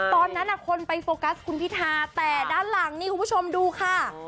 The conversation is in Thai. ตอนนั้นคนไปโฟกัสคุณพิธาแต่ด้านหลังนี่คุณผู้ชมดูค่ะ